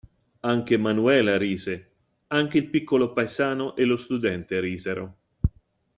Anche Manuela rise, anche il piccolo paesano e lo studente risero.